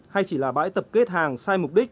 hay chỉ là bãi tập kết hàng sai mục đích